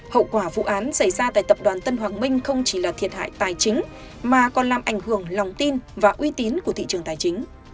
hậu quả vụ án xảy ra tại tập đoàn tân hoàng minh không chỉ là thiệt hại tài chính mà còn làm ảnh hưởng lòng tin và uy tín của thị trường tài chính